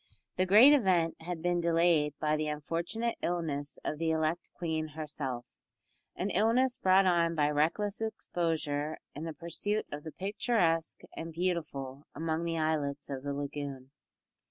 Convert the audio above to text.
The great event had been delayed by the unfortunate illness of the elect queen herself an illness brought on by reckless exposure in the pursuit of the picturesque and beautiful among the islets of the lagoon.